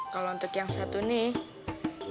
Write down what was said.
kalau untuk yang satu nih